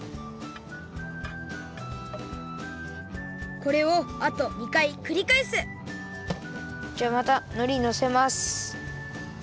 これをあと２かいくりかえすじゃあまたのりのせます！